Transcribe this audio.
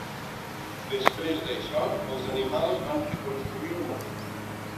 Després d'això, els animals van reconstruir el món.